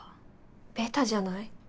ベタじゃない？